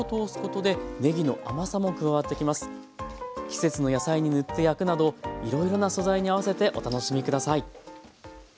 季節の野菜に塗って焼くなどいろいろな素材に合わせてお楽しみ下さい。